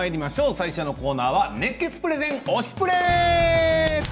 最初のコーナーは熱血プレゼン「推しプレ！」。